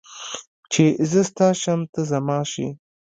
چې زه ستا شم ته زما شې